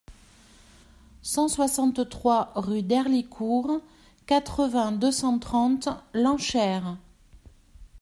cent soixante-trois rue d'Herlicourt, quatre-vingts, deux cent trente, Lanchères